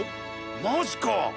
マジか！